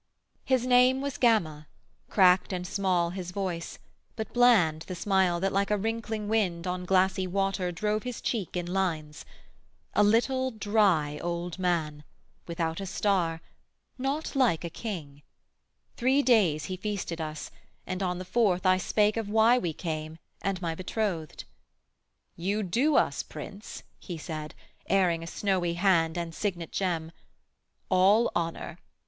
His name was Gama; cracked and small his voice, But bland the smile that like a wrinkling wind On glassy water drove his cheek in lines; A little dry old man, without a star, Not like a king: three days he feasted us, And on the fourth I spake of why we came, And my bethrothed. 'You do us, Prince,' he said, Airing a snowy hand and signet gem, 'All honour.